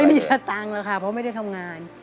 ไม่มีสตังค์หรอกค่ะเพราะไม่ได้ทำงาน